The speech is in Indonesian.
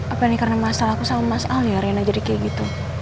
apa ini karena masalah aku sama mas al ya rina jadi kayak gitu